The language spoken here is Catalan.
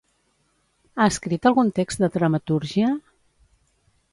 Ha escrit algun text de dramatúrgia?